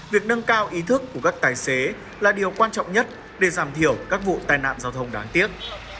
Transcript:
việc nâng cao ý thức của các tài xế là điều quan trọng nhất để giảm thiểu các vụ tai nạn giao thông đáng tiếc